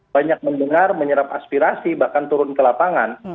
banyak mendengar menyerap aspirasi bahkan turun ke lapangan